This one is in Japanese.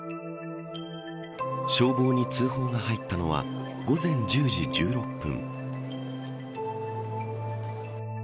消防に通報が入ったのは午前１０時１６分。